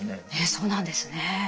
そうなんですね。